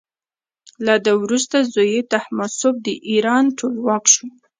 له ده وروسته زوی یې تهماسب د ایران ټولواک شو.